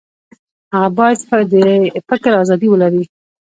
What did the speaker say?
هغه باید د فکر ازادي ولري.